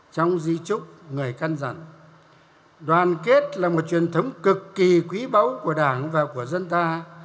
trong di trúc người căn dặn đoàn kết là một truyền thống cực kỳ quý báu của đảng và của dân ta